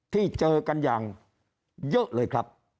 ที่เจอกันอย่างเยอะเลยครับ